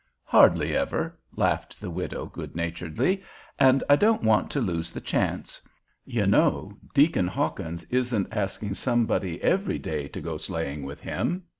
"Hardly ever," laughed the widow, good naturedly, "and I don't want to lose the chance. You know Deacon Hawkins isn't asking somebody every day to go sleighing with him.